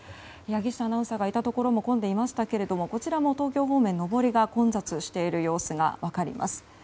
柳下アナウンサーがいたところも混んでいましたけれどもこちらも東京方面、上りが混雑している様子が分かります。